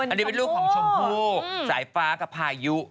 อันนี้เป็นลูกของคุณสไฟ์ฟ้ากับพายุ